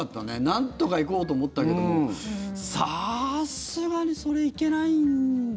なんとか行こうと思ったけどもさすがに、それ行けない。